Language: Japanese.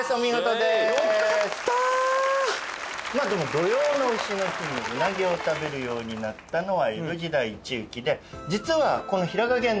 土用の丑の日にうなぎを食べるようになったのは江戸時代中期で実はこの平賀源内